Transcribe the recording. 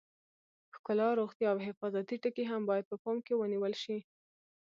ښکلا، روغتیا او حفاظتي ټکي هم باید په پام کې ونیول شي.